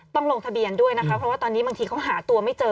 ลงทะเบียนด้วยนะคะเพราะว่าตอนนี้บางทีเขาหาตัวไม่เจอ